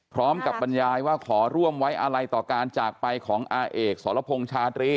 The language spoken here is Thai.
พร้อมกับบรรยายว่าขอร่วมไว้อะไรต่อการจากไปของอาเอกสรพงษ์ชาตรี